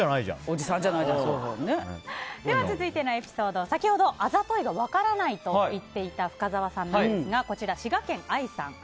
続いてのエピソード先ほどあざといが分からないといっていた深澤さんですが、滋賀県の方。